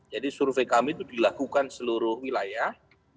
jadi survei kami itu dilakukan seluruh wilayah